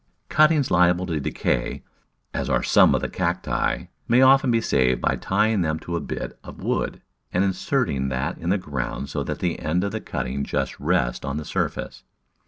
Cuttings liable to decay, as are some of the Cacti, may often be saved by tying them to a bit of wood and inserting that in the ground so that the end of the cutting just rests on the surface.